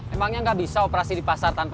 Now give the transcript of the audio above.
emangnya gak bisa operasi di pasar tapi